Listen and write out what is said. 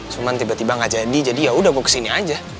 cuman tiba tiba nggak jadi jadi yaudah gue kesini aja